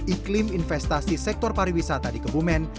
iklim investasi sektor pariwisata di kebumen